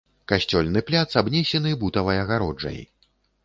Касцёльны пляц абнесены бутавай агароджай.